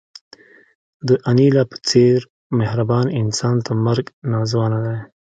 د انیلا په څېر مهربان انسان ته مرګ ناځوانه دی